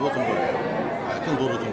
pasti ada banyak orang tiongkok